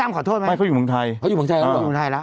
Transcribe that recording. เขาอยู่ฝรั่งใจแล้วเหรอ